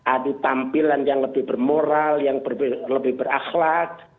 adu tampilan yang lebih bermoral yang lebih berakhlak